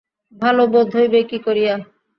ভালো বোধ হইবে কী করিয়া।